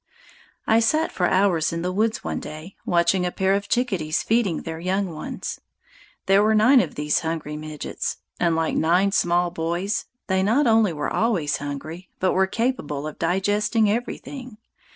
I sat for hours in the woods one day, watching a pair of chickadees feeding their young ones. There were nine of these hungry midgets, and, like nine small boys, they not only were always hungry, but were capable of digesting everything.